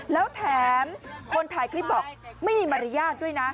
แล้วแถมคนถ่ายคลิปบอกไม่มีมารยาทด้วยนะ